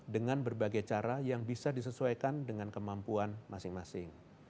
dengan berbagai cara yang bisa disesuaikan dengan kemampuan masing masing